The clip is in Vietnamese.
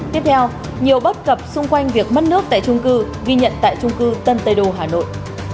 tiếp theo nhiều bất cập xung quanh việc mất nước tại trung cư ghi nhận tại trung cư tân tây đô hà nội